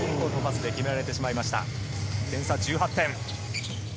点差は１８点。